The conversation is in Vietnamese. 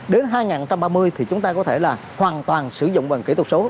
đến hai nghìn ba mươi thì chúng ta có thể là hoàn toàn sử dụng bằng kỹ thuật số